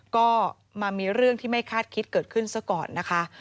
ก็มามีเรื่องที่ไม่คาดคิดเกิดขึ้นซะก่อนนะคะ